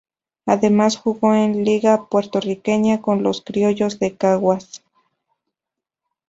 Además jugó en Liga Puertorriqueña con los Criollos de Caguas.